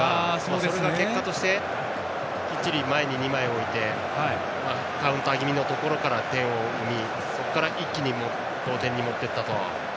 それが結果としてきっちり前に２枚置いてカウンター気味のところから点を生みそこから一気に同点に持っていったと。